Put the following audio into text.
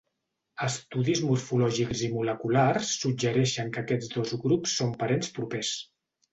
Estudis morfològics i moleculars suggereixen que aquests dos grups són parents propers.